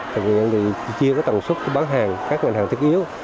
thực hiện thì chia cái tầng suất cho bán hàng các ngành hàng thức yếu